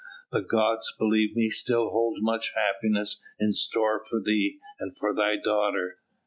The gods, believe me, still hold much happiness in store for thee and for thy daughter.